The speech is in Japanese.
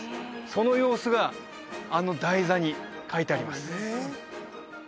その様子があの台座に描いてあります